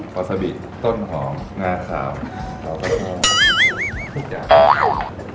ขอสะบิต้นหอมงาขาวเราก็ชอบ